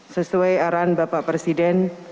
sesuai arahan bapak presiden